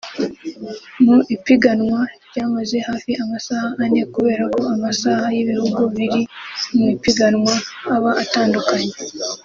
Mu ipiganwa ryamaze hafi amasaha ane kubera ko amasaha y’ibihugu biri mu ipiganwa aba atandukanye